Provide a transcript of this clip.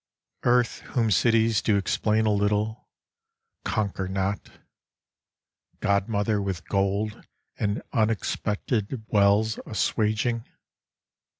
Earth whom cities do Explain a little, conquer not : godmother With gold and unexpected wells assuaging.